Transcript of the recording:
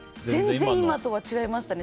全然今とは違いましたね。